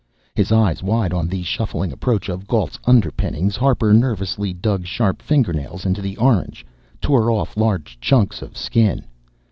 His eyes wide on the shuffling approach of Gault's underpinnings, Harper nervously dug sharp fingernails into the orange, tore off large chunks of skin.